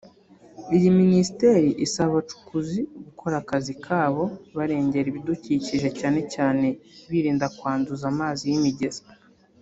Iyi Minisiteri isaba abacukuzi gukora akazi kabo barengera ibidukikije cyane cyane birinda kwanduza amazi y’imigezi